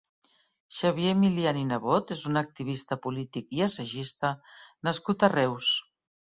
Xavier Milian i Nebot és un activista polític i assagista nascut a Reus.